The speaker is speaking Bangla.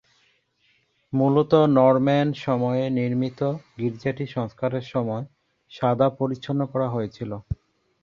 মূলত নরম্যান সময়ে নির্মিত, গির্জাটি সংস্কারের সময় সাদা-পরিচ্ছন্ন করা হয়েছিল।